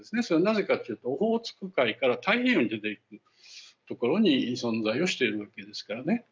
それはなぜかというとオホーツク海から太平洋に出ていくところに存在をしているわけですからね。